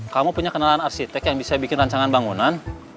kamu punya kenalan arsitek yang bisa bikin rancangan bangunan